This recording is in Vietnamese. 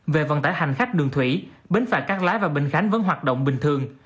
về vận tải hành khách đường thủy bến phạm các lái và bình khánh vẫn hoạt động bình thường